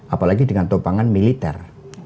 apalagi dengan topangan militer